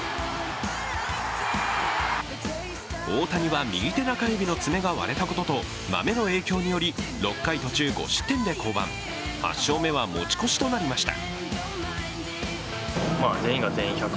大谷は右手中指の爪が割れたこととマメの影響により６回途中５失点で降板、８勝目は持ち越しとなりました。